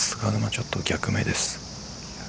ちょっと逆目です。